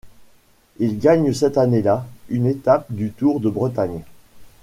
Il gagne cette année-là une étape du Tour de Bretagne.